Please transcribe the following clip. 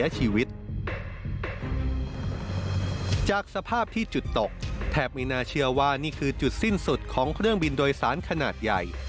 จากสภาพที่จุดตกแถบมีน่าเชื่อว่านี่คือจุดสิ้นสุดของเครื่องบินโดยสารขนาดใหญ่